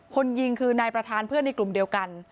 คนยิงคือนายประธานเพื่อนในกลุ่มเดียวกัน